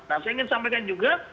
nah saya ingin sampaikan juga